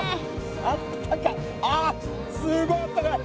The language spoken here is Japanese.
あったかああすごいあったかい！